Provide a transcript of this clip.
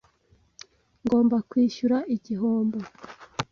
Ngomba kwishyura igihombo.